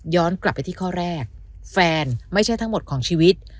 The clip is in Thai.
กลับไปที่ข้อแรกแฟนไม่ใช่ทั้งหมดของชีวิต